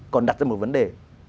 còn đặt ra một vấn đề